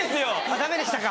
ダメでしたか？